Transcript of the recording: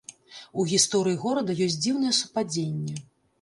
У гісторыі горада ёсць дзіўнае супадзенне.